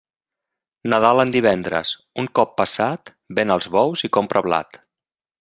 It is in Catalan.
Nadal en divendres, un cop passat, ven els bous i compra blat.